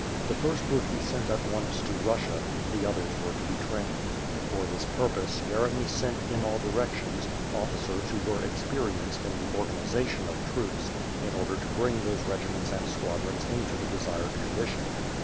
The first were to be sent at once to Russia, the others were to be trained. For this purpose, Yeremy sent, in all directions, officers who were experienced in the organization of troops, in order to bring those regi ments and squadrons into the desired condition.